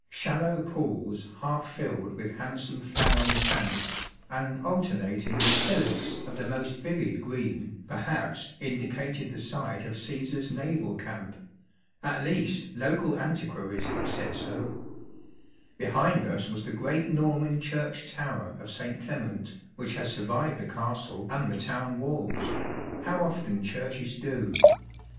Shallow pools half fillLHl I 1863 ] A SptXuIatioH OH English History. 27 ^1 %itli handsome flowering plants, and alternating with hillocks ^B of the most vivid green, perhaps indicated the site of Caesar's ^Lu^ral camp — at 1ea»t local antiquaries have said so. Behind us ^^|bi the great Norman church tower of St. Clement^ which has anrvived the castle and the town walls (how often churches do